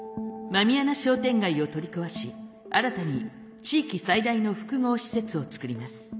狸穴商店街を取り壊し新たに地域最大の複合施設を作ります。